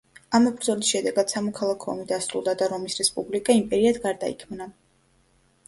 ამ ბრძოლის შედეგად სამოქალაქო ომი დასრულდა და რომის რესპუბლიკა იმპერიად გარდაიქმნა.